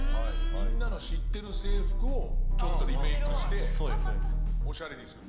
みんなの知ってる制服をちょっとリメイクしてオシャレにする。